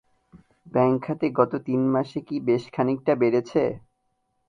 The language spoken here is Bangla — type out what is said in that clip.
ব্যাংক খাতে গত তিন মাসে কি বেশ খানিকটা বেড়েছে?